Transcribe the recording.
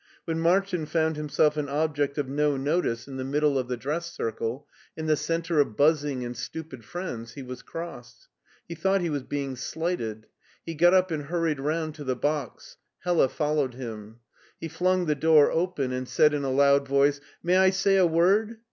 When Martin found himself an object of no notice in i62 MARTIN SCHULER the middle of the dress cirde, in the center of buzzing and stupid friends, he was cross. He thought he was being slighted. He got up and hurried round to the box. Hella followed him. He flung the door open and said in a loud voice, "May I say a word?